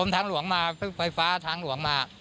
ทางหลวงมาไฟฟ้าทางหลวงมา